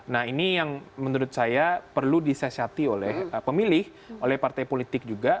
nah ini yang menurut saya perlu disesati oleh pemilih oleh partai politik juga